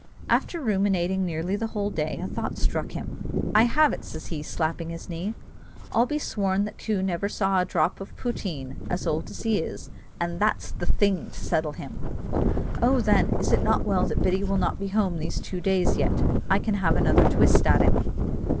After ruminating nearly the whole day, a thought struck him. "I have it," says he, slapping his knee; "I'll be sworn that Coo never saw a drop of poteen, as old as he is, and that's the thing to settle him! Oh! then, is not it well that Biddy will not be home these two days yet; I can have another twist at him."